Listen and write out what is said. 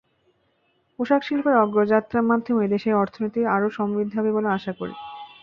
পোশাকশিল্পের অগ্রযাত্রার মাধ্যমে দেশের অর্থনীতি আরও সমৃদ্ধ হবে বলে আশা করি।